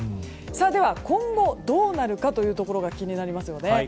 では今後、どうなるかというところ気になりますよね。